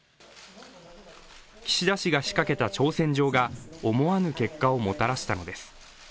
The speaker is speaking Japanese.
岸田氏が仕掛けた挑戦状が思わぬ結果をもたらしたのです。